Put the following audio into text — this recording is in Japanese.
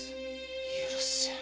〔許せん！